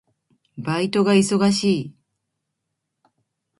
バイトが忙しい。